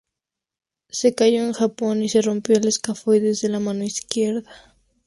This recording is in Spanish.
Se cayó en Japón y se rompió el escafoides de la mano izquierda.